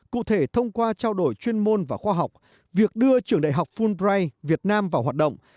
cụ thể thông qua trao đổi chuyên môn và khoa học việc đưa trường đại học fulbray việt nam vào hoạt động